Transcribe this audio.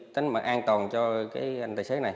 tính mặt an toàn cho anh tài xế này